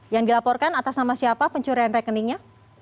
yang dilaporkan atas nama siapa pencurian rekeningnya